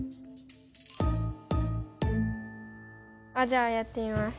じゃあやってみます。